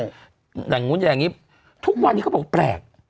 อย่างนู้นอย่างนี้ทุกวันนี้เขาบอกว่าแปลก